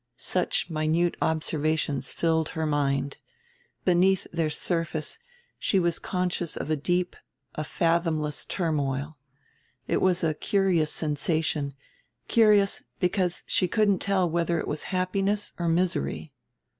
Such minute observations filled her mind; beneath their surface she was conscious of a deep, a fathomless, turmoil. It was a curious sensation, curious because she couldn't tell whether it was happiness or misery.